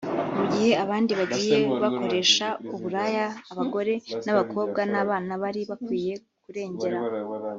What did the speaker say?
mu gihe abandi bagiye bakoresha uburaya abagore n’abakobwa n’abana bari bakwiye kurengera